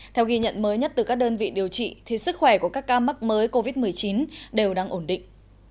theo ghi nhận mới nhất từ các đơn vị điều trị thì sức khỏe của các ca mắc mới covid một mươi chín đều đang ổn định